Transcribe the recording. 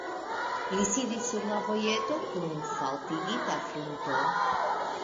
Li sidis sur la vojeto kun faltigita frunto.